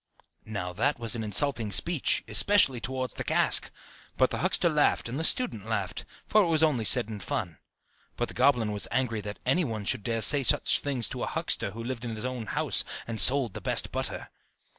Now, that was an insulting speech, especially towards the cask; but the huckster laughed and the student laughed, for it was only said in fun. But the goblin was angry that any one should dare to say such things to a huckster who lived in his own house and sold the best butter.